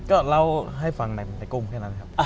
ก็เล่าให้ฟังในกุ้งแค่นั้นครับ